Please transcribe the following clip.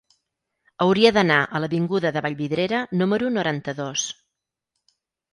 Hauria d'anar a l'avinguda de Vallvidrera número noranta-dos.